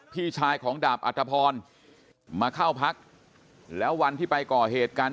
พี่ชายของดาบอัตภพรมาเข้าพักแล้ววันที่ไปก่อเหตุกัน